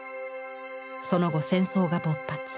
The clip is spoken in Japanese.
その後戦争が勃発。